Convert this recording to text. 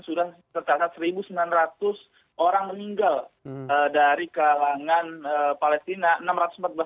sudah tercatat satu sembilan ratus orang meninggal dari kalangan palestina